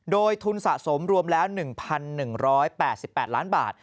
โดยทุนสะสมรวมแล้ว๑๑๘๘ล้านบาท